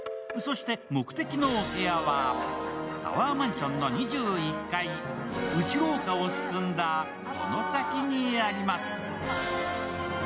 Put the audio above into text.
そして目的のお部屋はタワーマンションの２１階、内廊下を進んだこの先にあります。